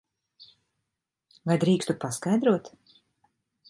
Vai drīkstu paskaidrot?